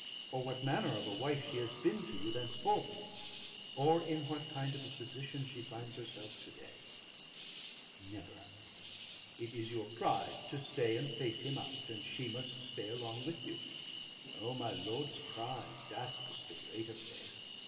or what manner of a wife she has been to you thenceforward? or in what kind of a position she finds herself to day? Never. It is your pride to stay and face him out, and she must stay along with you. O! my lord's pride that's the great affair!